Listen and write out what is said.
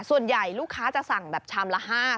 ส่วนใหญ่ลูกค้าจะสั่งแบบชามละ๕๐